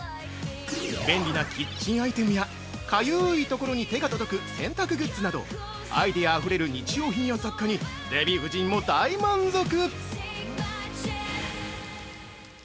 便利なキッチンアイテムやかゆいところに手が届く洗濯グッズなどアイデアあふれる日用品や雑貨にデヴィ夫人も大満足！